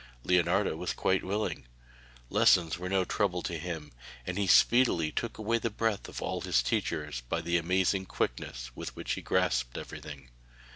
Leonardo was quite willing. Lessons were no trouble to him and he speedily took away the breath of all his teachers by the amazing quickness with which he grasped everything.